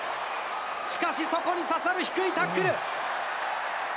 しかし、そこに刺さる低いタックル。